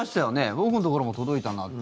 僕のところも届いたなって。